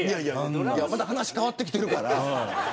また話変わってきてるから。